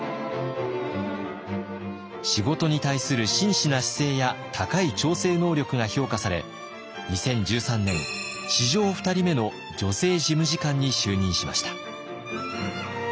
仕事に対する真摯な姿勢や高い調整能力が評価され２０１３年史上２人目の女性事務次官に就任しました。